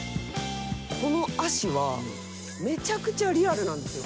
この足はめちゃくちゃリアルなんですよ。